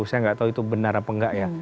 saya tidak tahu itu benar atau tidak ya